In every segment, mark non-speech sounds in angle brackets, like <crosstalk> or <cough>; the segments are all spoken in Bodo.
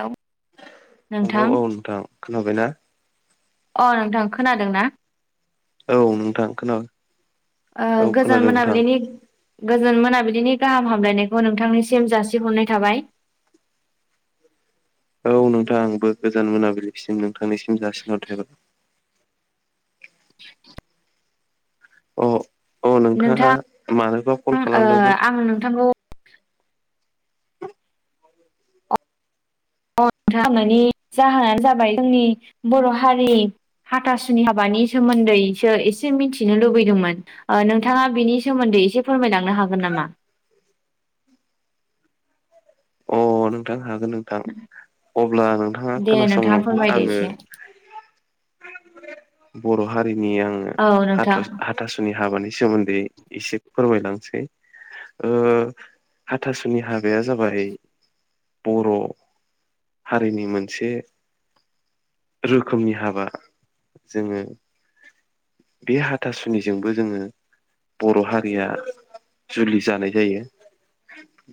हेलौ हेलौ नोंथां औ नोंथां खोनाबयना? अ नोंथां खोनादों ना? औ नोंथां खोना अ औ गोजान खोनादों नोंथां मोनाबिलिनि गोजोन मोनाबिलिनि गाहाम हामलायनायखौ नोंथांनिसिम जासिहरनाय थाबाय। <inaudible> औ नोंथां बो गोजान मोनाबिलिसिम नोंथांनिसिम जासिनहरथायबा। अ अ नोंथाङा नोंथां मानोबा कल ओ खालामदोंमोन? आं नोंथांखौ <unintelligible> जाहोनानो जाबाय जोंनि बर' हारि। हाथासुनि हाबानि सोमोन्दैसो एसे मिथिनो लुबैदोंमोन ओ नोंथाङा बेनि सोमोन्दै एसे फोरमायलांनो हागोन नामा? अ नोंथां हागोन नोंथां अब्ला नोंथाङा दे नोंथाङा खोनासंलांदो फोरमायदो आङो। एसे <inaudible> बर' हारिनि आङो औ हाथ' नोंथां हाथासुनि हाबानि। सोमोन्दै इसे फोरमायलांसै ओ हाथासुनि हाब। गैया जाबाय बर' हारिनि मोनसे। रोखोमनि हाबा जोङो। बे हाथासुनिजोंबो जोङो। बर' हारिया जुलि जानाय जायो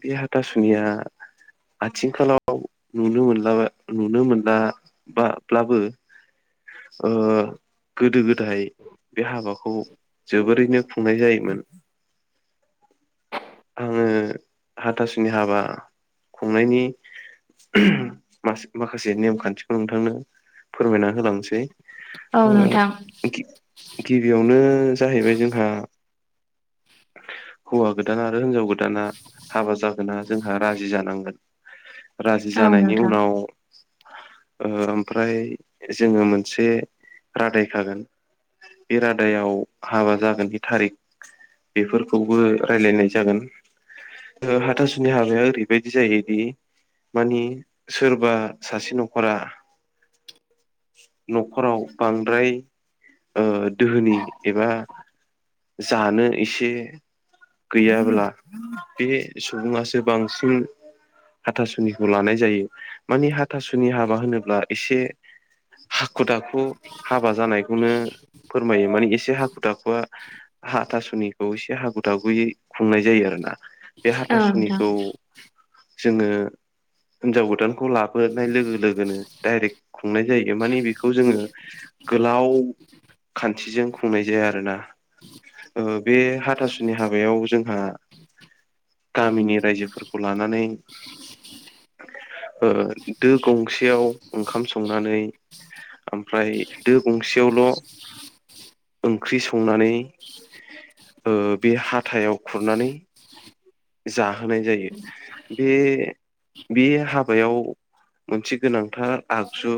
बे हाथासुनिया। <unintelligible> आथिंखालाव नुनो मोनला नुनो मोनला ब्लाबो ओ गोदो गोदो नाथाय बे हाबाखौ जोबोरैनो खुंनाय जायोमोन। आङो हाथासुनि हाबा खुंनायनि माखासे माखासे नेमखान्थिखौ नोंथांनो फोरमायना होलांसै औ ओ नोंथां गिबि गिबियावनो जाहैबाय जोंहा हौवा गोदाना आरो हिनजाव गोदाना हाबा जागोना जोंहा राज जि जानांगोन राजि औ जानायनि नोंथां उनाव ओ ओमफ्राय जोङो मोनसे रादायखागोन। बेरादायाव हाबा जागोननि थारिख' बेफोरखौबो रायलायनाय जागोन ओ हाथासुनि हाबाया ओरै बायदि जायोदि मानि सोरबा सासे न'खरा, न'खराव बांद्राय, ओ दोहोनि एबा जानो इसे, गैयाब्ला बे सुबुङासो बांसिन, हाथासुनिखौ लानाय जायो माने हाथासुनि हाबा होनोब्ला एसे, <unintelligible> हाखु दाखु हाबा जानायखौनो, फोरमायो माने एसे हाखु दाखुआ हाथासुनिखौ एसे हाखु दाखुयै खुंनाय जायो आरो। आ बे औ नोंथां हाथासुनिखौ, जोङो हिनजाव गोदानखौ लाबोनाय लोगो लोगोनो डायरेक्ट खुंनाय जायो मानि बेखौ जोङो गोलाव खान्थिजों खुंनाय जाया आरोना? ओ बे हाथासुनि हाबायाव जोंहा गामिनि रायजोफोर खौ लानानै, ओ ओ दो गंसेयाव ओंखाम संनानै, ओमफ्राय दो गंसेयावल' ओंख्रि संनानै ओ बे हाथायाव खुरनानै, जाहोनाय जायो बे बे हाबायाव मोनसे गोनांथार आगजु,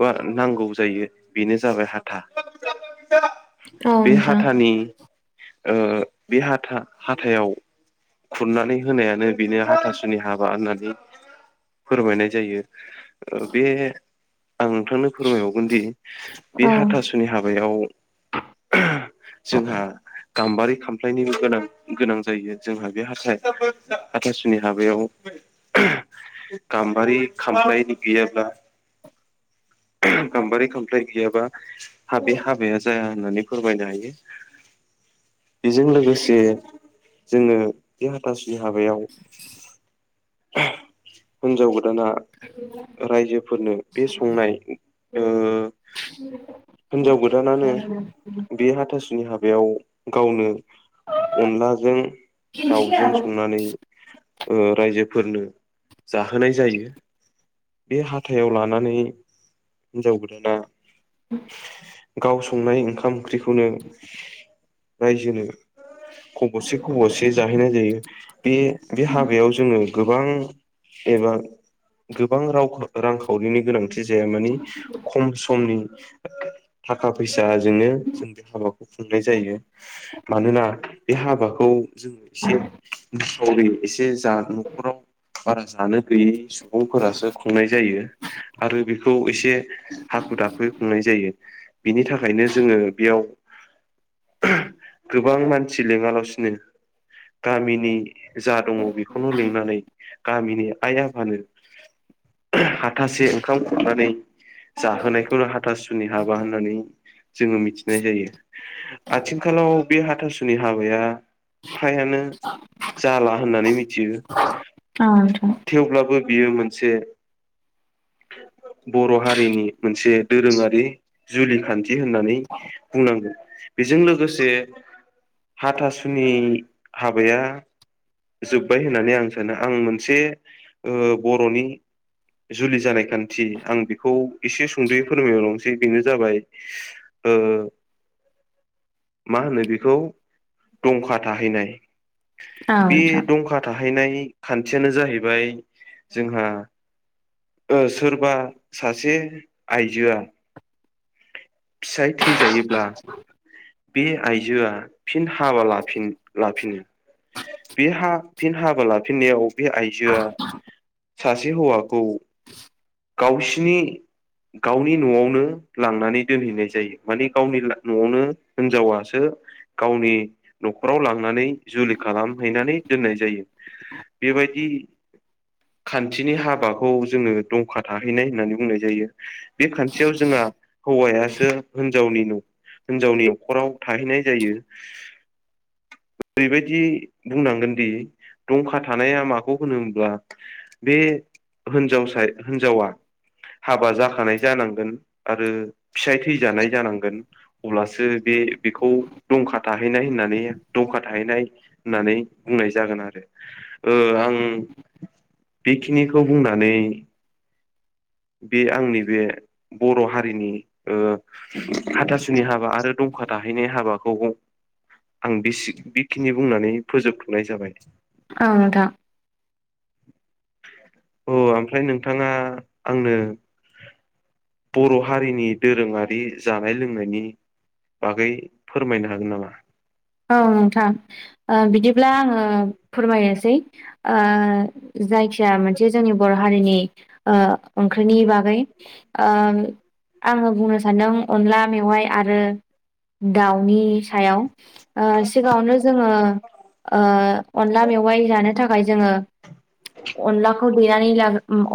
बा नांगौ जायो बेनो जाबाय हाथा। औ बे नोंथां हाथानि ओ बे हाथा हाइथायाव खुरनानै होनायानो बेनो हाथासुनि हाबा होननानै, फोरमायनाय जायो ओ बे आं नोंथांनो फोरमायबावगोन दि बे औ हाथासुनि हाबायाव जोंहा गाम्बारि खामफ्लायनि गोनां गोनां जायो। जोंहा बे हाथाय हाथासुनि हाबायाव, गाम्बारि खामफ्लाय गैयाब्ला, गाम्बारि खामफ्लाय गैयाबा हाबि बे हाबया जाया होननानै फोरमायनो हायो बेजों लोगोसे जोङो बे हाथासुनि हाबायाव हिनजाव गो दाना रायजोफोरनो बे संनाय ओ हिनजाव गोदानानो बे हाथासुनि हाबा बेयाव गावनो अनलाजों दावजों संनानै ओ रायजोफोरनो जाहोनाय जायो। बे हाथायाव लानानै हिन्जाव गोदाना <unintelligible> गाव संनाय ओंखाम ओंख्रिखौनो रायजोनो खब'से खबसे जाहैनाय जायो बे बे हाबायाव जोङो गोबां एबा गोबां राव रांखावरिनि गोनांथि जाया मानि खम समनि थाखा फैसाजोंनो जों बे हाबाखौ खुंनाय जायो मानोना बे हाबा खौ जोङो एसे दुसावलि एसे जा न'खराव बारा जानो गैयै सुबुंफोरासो खुंनाय जायो आरो बेखौ एसे हाखु दाखु खुंनाय जायो बिनि थाखायनो जोङो बेयाव <inaudible> <unintelligible> गोबां मानसि लिङालासि नों गामिनि जा दङ बेखौनो लिंनानै गामिनि आइ आफानो हाथासे ओंखाम खुरनानै जाहोनायखौनो हाथासुनि हाबा होननानै जोङो मिथिनाय जायो आथिखालाव बे हाथासुनि हाबाया फ्रायानो जाला होननानै मिथियो औ नोंथां थेवब्लाबो बियो मोनसे <inaudible> बर' हारिनि मोनसे दोरोङारि जुलि खान्थि होननानै बुंनांगोन बेजों लोगोसे हाथासुनि हाबाया जोब्बाय होननानै आं सानो आं मोनसे ओ बर'नि जुलि जानाय खान्थि आं बेखौ एसे सुंद'यै फोरमायलांसै बेनो जाबाय ओ <inaudible> मा होनो बेखौ दंखा थाहैनाय औ बे नोंथां दंखा थाहैनाय खान्थियानो जाहैबाय जोंहा सोरबा सासे आइजोआ फिसाय थैजायो <inaudible> बे आइजोआ फिन हाबा लाफिनो बे हा फिन हाबा लाफिननायाव बे आइजोआ सासे हौवाखौ गावसिनि गावनि न'आवनो लांनानै दोनहैनाय जायो माने गावनि न'आवनो हिनजावासो गावनि न'खराव लांनानै जुलि खालामहैनानै दोननाय जायो बेबायदि खान्थिनि हाबाखौ जोङो दंखा थाहैनाय होननानै बुंनाय जायो। बे खान्थियाव जोंहा हौवायासो हिनजावनि न' हिनजावनि न'खराव थाहैनाय जायो ओरैबायदि बुंनांगोन दि दंखा थानाया माखौ होनो होनब्ला बे हिनजावसाय- हिनजावा हाबा जाखानाय जानांगोन आरो फिसाय थैजानाय जानांगोन अब्लासो बे बे बेखौ दंखा थाहैनाय होननानै दंखा थाहैनाय होननानै बुंनाय जागोन आरो ओ आं बेखिनिखौ बुंनानै बे आंनि बे बर' हारिनि ओ हाथासुनि हाबा आरो दंखा थाहैनाय हाबा खौ आं बेसि बेखिनि बुंनानै फोजोबथ'नाय जाबाय। औ नोंथां। अह ओमफ्राय नोंथाङा आंनो बर' हारिनि दोरोङारि जानाय लोंनायनि बागै फोरमायनो हागोन नामा? औ नोंथां। ओ िदिब्ला आङो फोरमायनोसै। ओ जायखिया मोनसे जोंनि बर' हारिनि ओ ओंख्रिनि बागै। ओ आङो बुंनो सान्दों अनला मेवाइ आरो दाउनि सायाव। ओ सिगाङावनो जोङो ओ अनला मेवाइ जानो थाखाय जोङो अनला खौ देनानै ला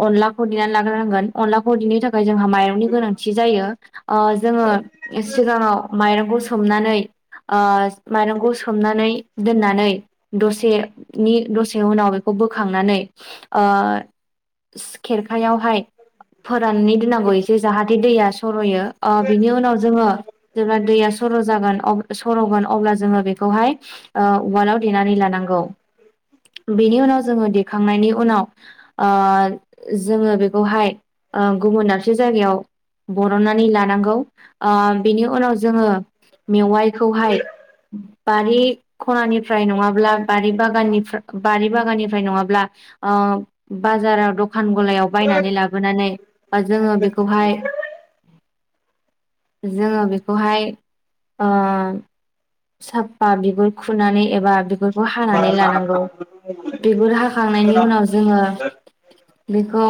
अनलाखौ देनानै लाग्रोनांगोन। अनलाखौ देनो थाखाय जोंहा माइरंनि गोनांथि जायो। ओ जोङो सिगाङाव माइरंखौ सोमनानै ओ माइरंखौ सोमनानै दोननानै दसेनि दसे उनाव बेखौ बोखांनानै ओ खेरखायावहाय फोराननि दोननांगौ एसे जाहाथे दैया सर'यो ओ बिनि उनाव जोङो जेब्ला दैया सर' जागोन सर'गोन अब्ला जोङो बेखौहाय ओ उवालाव देनानै लानांगौ। बेनि उनाव जोङो देखांनायनि उनाव ओ जोङो बेखौहाय ओ गुबुन दाबसे जायगायाव बरननानै लानांगौ ओ बेनि उनाव जोङो मेवाइखौहाय बारि खनानिफ्राय नङाब्ला बारि बागाननिफ्रा बारि बागाननिफ्राय नङाब्ला ओ बाजाराव द खान गलायाव बायनानै लाबोनानै बा जोङो बेखौहाय जोङो बेखौहाय ओ साफ्फा बिगुर खुनानै एबा बिगुर खौ हानानै लानांगौ। बिगुर हाखांनायनि उनाव जोङो बेखौ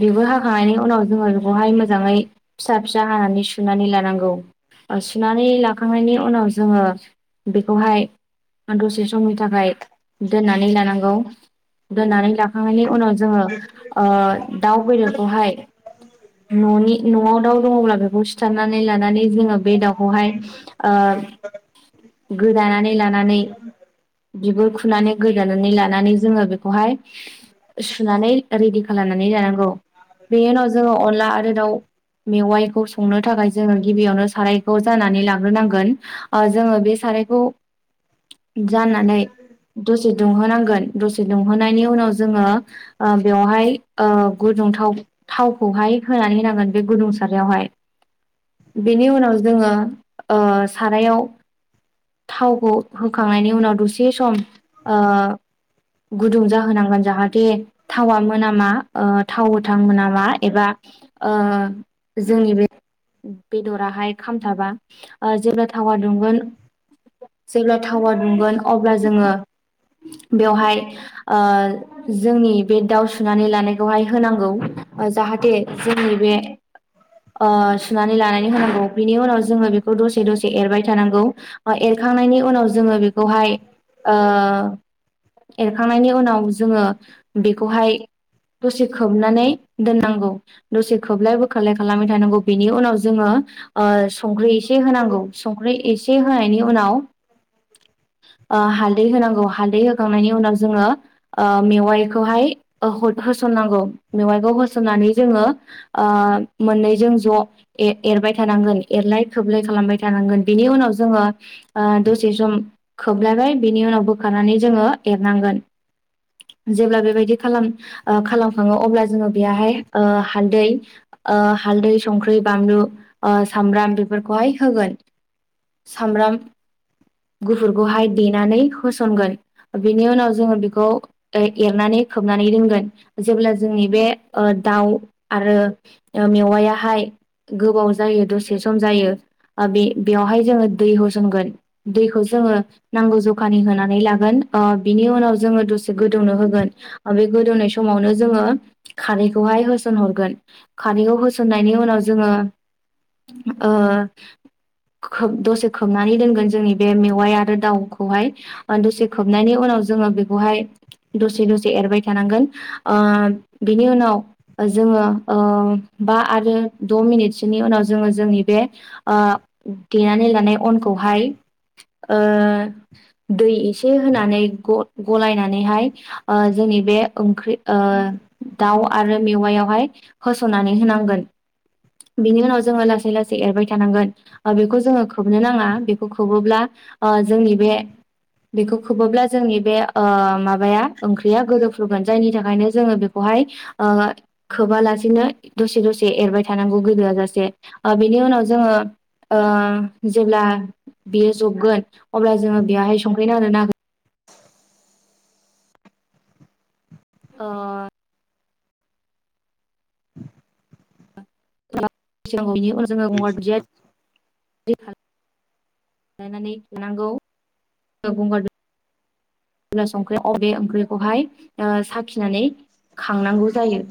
बिगुर हाखांनायनि उनाव जोङो बेखौहाय मोजाङै फिसा फिसा हानानै सुनानै लानांगौ। ओ सुनानै लाखांनायनि उनाव जोङो बेखौहाय दसे समनि थाखाय दोननानै लानांगौ। दोननानै लाखांनायनि उनाव जोङो ओ दाउ बेदरखौहाय न'नि न'आव दाउ दङब्ला बेखौ सिथारनानै लानानै जोङो बे दाउखौहाय ओ गोदानानै लानानै बिगुर खुनानै गोदानै लानानै जोङो बेखौहाय सुनानै रेदि खालामनानै लानांगौ। बेनि उनाव जोङो अनला आरो दाउ मेवाइखौ संनो थाखाय जोङो गिबियावनो सारायखौ जाननानै लांग्रोनांगोन। ओ जोङो बे सारायखौ जाननानै दसे दुंहोनांगोन, दसे दुंहोनायनि उनाव जोङो ओ बेवहाय ओ गु दुं थाव थावखौहाय होनानै होनांगोन बे गुदुं सारायावहाय। बेनि उनाव जोङो ओ सारायाव थावखौ होखांनायनि उनाव दसे सम ओ गुदुं जाहोनांगोन, जाहाथे थावा मोनामा ओ थाव गोथां मोनामा एबा ओ जोंनि बे बेदराहाय खामथाबा। जेब्ला थावा दुंगोन जेब्ला थावा दुंगोन अब्ला जोङो बेवहाय ओ जोंनि बे दाउ सुनानै लानायखौहाय होनांगौ। जाहाथे जोंनि बे ओ सुनानै लानानै होनांगौ बिनि उनाव जोङो बेखौ दसे दसे एरबाय थानांगौ एरखांनायनि उनाव जोङो बेखौहाय ओ एरखांनायनि उनाव जोङो बेखौहाय दसे खोबनानै दोननांगौ दसे खोबलाय बोखारलाय खालामबाय थानांगौ बेनि उनाव जोङो ओ संख्रि एसे होनांगौ संख्रि एसे होनायनि उनाव ओ हालदै होनांगौ हालदै होखांनायनि उनाव जोङो ओ मेवाइखौहाय ह होस सननांगौ मेवाइखौ होसननानै जोङो ओ मोननैजों ज' ए एरबायथा थानांगोन एरलाय खोबलाय खालामबाय थानांगोन बिनि उनाव जोङो ओ दसे सम खोबनानै बिनि उनाव बोखारनानै जोङो एरनांगोन। जेब्ला बेबायदि खालाम ओ खालाम खाङो अब्ला जोङो बेयहाय ओ हालदै ओ हालदै संख्रि बानलु ओ सामब्राम बेफोरखौहाय होगोन। सामब्राम गुफुरखौहाय देनानै होसनगोन बेनि उनाव जोङो बेखौ एरनानै खोबनानै दोनगोन जेब्ला जोंनि बे ओ दाउ आरो मेवायाहाय गोबाव जायो दसे सम जायो ओ बे बेयावहाय जोङो दै होसनगोन दैखौ जोङो नांगौ जखानि होनानै लागोन ओ बिनि उनाव जोङो दसे गोदौनो होगोन ओ बे गोदौनाय समावनो जोङो खारैखौहाय होसन हरगोन खारैखौ होसननायनि उनाव जोङो ओ <inaudible> खोब दसे खोबनानै दोनगोन जोंनि बे मेवाइ आरो दाउखौहाय ओ दसे खोबनायनि उनाव जोङो बेखौहाय दसे दसे एरबाय थानांगोन ओ बिनि उनाव जोङो ओ बा आरो द' मिनिटसोनि उनाव जोङो जोंनि बे ओ देनानै लानाय अनखौहाय ओ दै एसे होनानै ग' गलायनानैहाय ओ जोंनि बे ओंख्रि ओ दाउ आरो मेवायावहाय होस'नानै होनांगोन। बिनि उनाव जोङो लासै लासै एरबाय थानांगोन। ओ बेखौ जोङो खोबनो नाङा बेखौ खोबोब्ला ओ जोंनि बे बेखौ खोबोब्ला जोंनि बे ओ माबाया ओंख्रिया गोदोफ्रुगोन जायनि थाखायनो जोङो बेखौहा हायो ओ खोबा लासेनो दसे दसे एरबाय थानांगौ गोदौआ जासे ओ बेनि उ उनाव जोङो ओ जेब्ला बियो जबगोन अब्ला जोङो बेवहाय संख्रि नांदोंना नाङाखै अ <unintelligible> जोङो गं <unintelligible> दुनदिया <unintelligible> संख्रि अ बे ओंख्रिखौहाय ओ साखिनानै खांनांगौ जायो।